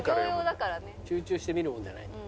「集中して見るもんじゃないね」